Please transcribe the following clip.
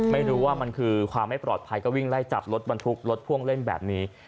ไม่รู้ว่ามันคือความไม่ปลอดภัยก็วิ่งไล่จับรถบรรทุกรถพ่วงเล่นแบบนี้